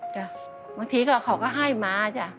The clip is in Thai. จ้ะบางทีก็เขาก็ให้มาจ้ะ